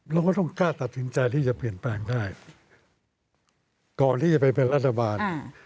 เราก็ต้องกล้าตัดสินใจที่จะเปลี่ยนแปลงได้ก่อนที่จะไปเป็นรัฐบาล